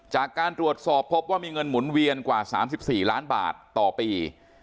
จากการตรวจสอบพบว่ามีเงินหมุนเวียนกว่า๓๔ล้านบาทต่อปี